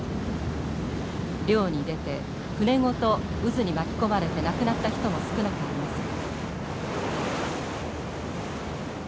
漁に出て船ごと渦に巻き込まれて亡くなった人も少なくありません。